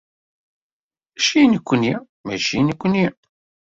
Mačči i nekkni, mačči i nekkni!